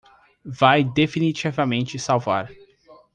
Vai definitivamente salvar